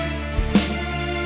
nama itu apa